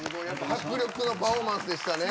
迫力のパフォーマンスでしたね。